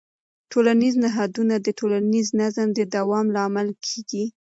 ټولنیز نهادونه د ټولنیز نظم د دوام لامل کېږي.